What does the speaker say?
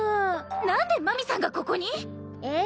なんでマミさんがここに⁉ええ？